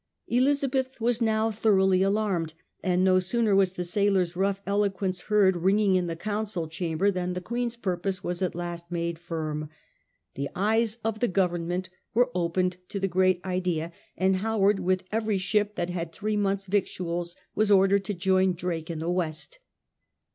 Elizabeth was now thoroughly alarmed, and no sooner was the sailor's rough eloquence heard ringing in the Council chamber than the Queen's purpose was at last made firm; the eyes of the, Goveniment were opened to the great idea, and Howard with every ship that had three months* victuals was ordered to join Drake in the west.